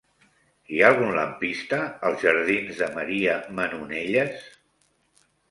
Hi ha algun lampista als jardins de Maria Manonelles?